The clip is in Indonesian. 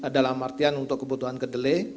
dalam artian untuk kebutuhan kedelai